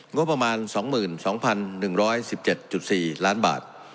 งบประมาณ๒๒๑๑๗๔ล้านบาท